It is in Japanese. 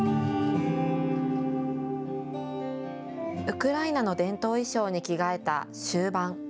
ウクライナの伝統衣装に着替えた終盤。